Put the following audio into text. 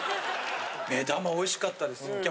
目玉おいしかったです。